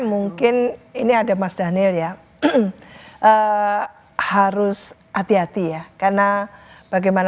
mungkin ini ada mas daniel ya harus hati hati ya karena bagaimana